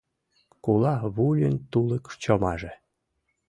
Кула вӱльын тулык чомаже